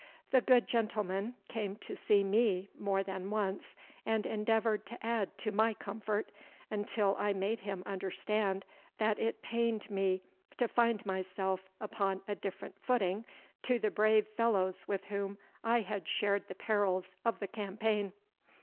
The good gentleman came to see me more than once, and endeavoured to add to my comfort, until I made him understand that it pained me to find myself upon a different footing to the brave fellows with whom I had shared the perils of the campaign.